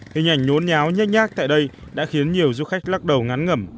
hình ảnh nhốn nháo nhát nhát tại đây đã khiến nhiều du khách lắc đầu ngắn ngẩm